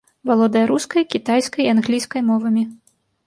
Валодае рускай, кітайскай і англійскай мовамі.